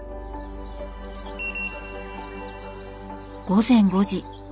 午前５時。